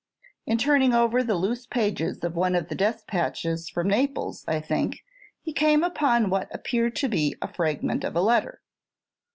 In turning over the loose pages of one of the despatches from Naples, I think, he came upon what appeared to be a fragment of a letter.